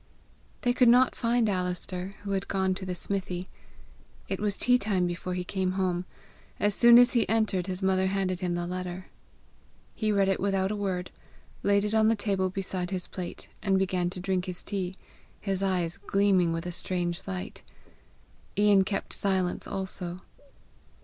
They could not find Alister, who had gone to the smithy. It was tea time before he came home. As soon as he entered, his mother handed him the letter. He read it without a word, laid it on the table beside his plate, and began to drink his tea, his eyes gleaming with a strange light, lan kept silence also.